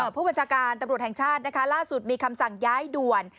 ผู้บัญชาการตำรวจแห่งชาตินะคะล่าสุดมีคำสั่งย้ายด่วน